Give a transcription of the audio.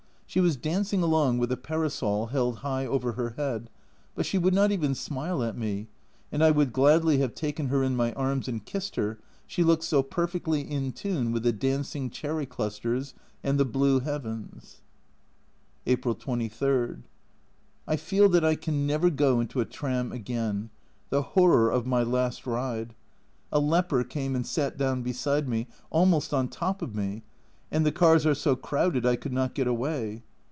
She was dancing along with a parasol held high over her head, but she would not even smile at me, and I would gladly have taken her in my arms and kissed her, she looked so perfectly in tune with the dancing cherry clusters and the blue heavens. April 23. I feel that I can never go into a tram again. The horror of my last ride ! A leper came and sat down beside me, almost on top of me, and the cars are so crowded I could not get away.